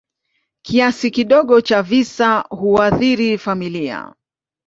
Kiasi kidogo cha visa huathiri familia.